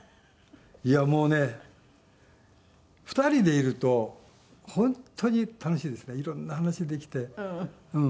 いやもうね２人でいると本当に楽しいですね色んな話できて。